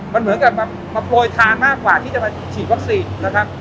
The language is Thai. มันเหมือนกับมาโปรยทานมากกว่าที่จะมาฉีดวัคซีนนะครับ